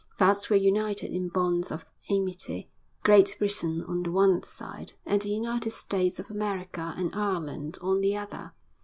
Thus were united in bonds of amity, Great Britain on the one side and the United States of America and Ireland on the other.